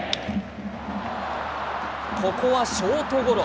ここはショートゴロ。